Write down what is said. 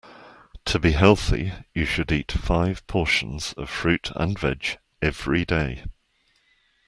To be healthy you should eat five portions of fruit and veg every day